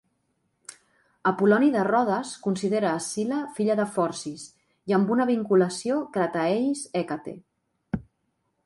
Apol·loni de Rodes considera Escil·la filla de Forcis i amb una vinculació Crataeis-Hècate.